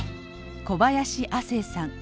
小林亜星さん。